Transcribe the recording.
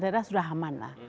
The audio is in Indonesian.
karena daerah sudah aman lah